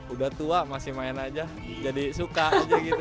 udah tua masih main aja jadi suka aja gitu